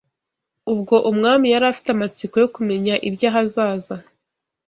Ubwo Umwami yari afite amatsiko yo kumenya iby’ahazaza